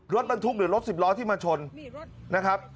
รถบรรทุกหรือรถสิบล้อที่มาชนนะครับ